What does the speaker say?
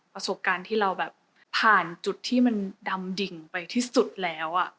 ประสบการณ์ที่เราแบบผ่านจุดที่มันดำดิ่งไปที่สุดแล้ว